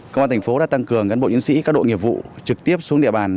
công an thành phố đã tăng cường cán bộ chiến sĩ các đội nghiệp vụ trực tiếp xuống địa bàn